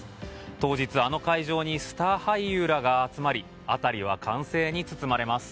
当日、あの会場にスター俳優らが集まり辺りは歓声に包まれます。